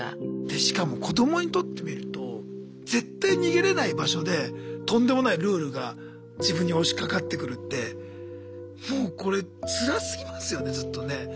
でしかも子どもにとってみると絶対逃げれない場所でとんでもないルールが自分に押しかかってくるってもうこれつらすぎますよねちょっとね。